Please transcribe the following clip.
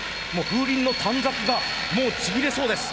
風鈴の短冊がもうちぎれそうです。